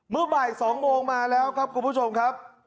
เมื่อบ่าย๒โมงมาแล้วครับคุณผู้ชมครับ